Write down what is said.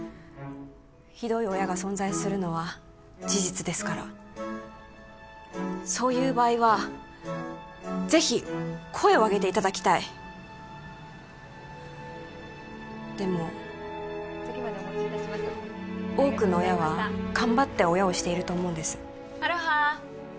ひどい親が存在するのは事実ですからそういう場合は是非声を上げていただきたいでも多くの親は頑張って親をしていると思うんですアロハ！